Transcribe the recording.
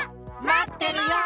まってるよ！